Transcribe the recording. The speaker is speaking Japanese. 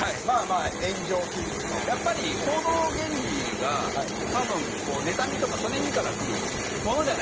やっぱり行動原理が多分妬みとか嫉みからくるものじゃないですか。